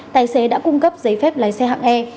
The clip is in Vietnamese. tài xế đã cung cấp giấy phép lái xe hạng e